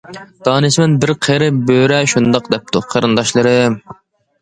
دانىشمەن بىر قېرى بۆرە شۇنداق دەپتۇ:-قېرىنداشلىرىم!